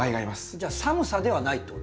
じゃあ寒さではないってことですか？